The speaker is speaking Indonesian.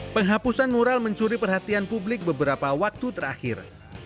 penghapusan mural mencuri perhatian publik beberapa waktu terakhir